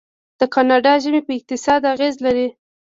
د کاناډا ژمی په اقتصاد اغیز لري.